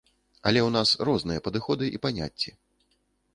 Але ў нас розныя падыходы і паняцці.